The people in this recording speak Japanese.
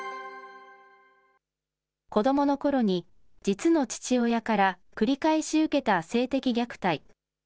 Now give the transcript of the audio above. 子どものころに、実の父親から繰り返し受けた性的虐待。